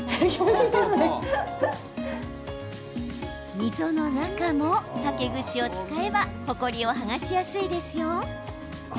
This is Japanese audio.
溝の中も竹串を使えばほこりを剥がしやすいですよ。